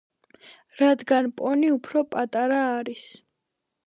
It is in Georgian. რადგან პონი უფრო პატარა არის.